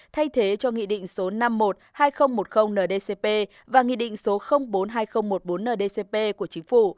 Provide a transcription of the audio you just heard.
thay thế cho nghị định số năm mươi một hai nghìn một mươi ndcp và nghị định số bốn hai nghìn một mươi bốn ndcp của chính phủ